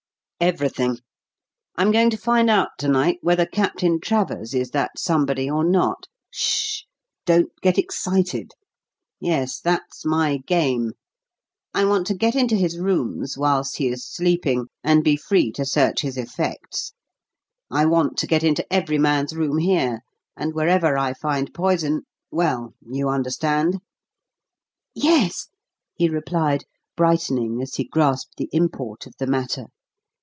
"Everything. I'm going to find out to night whether Captain Travers is that somebody or not. Sh h h! Don't get excited. Yes, that's my game. I want to get into his rooms whilst he is sleeping, and be free to search his effects. I want to get into every man's room here, and wherever I find poison well, you understand?" "Yes," he replied, brightening as he grasped the import of the matter.